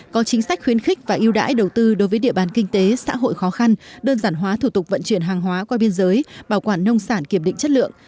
có chính sách khuyến khích và yêu đãi đầu tư đối với địa bàn kinh tế xã hội khó khăn đơn giản hóa thủ tục vận chuyển hàng hóa qua biên giới bảo quản nông sản kiểm định chất lượng